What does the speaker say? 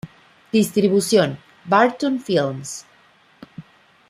Distribución: Barton Films